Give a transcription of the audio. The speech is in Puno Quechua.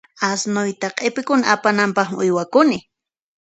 Asnuyta q'ipikuna apananpaqmi uywakuni.